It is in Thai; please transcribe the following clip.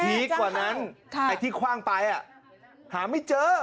กว่านั้นไอ้ที่คว่างไปหาไม่เจอ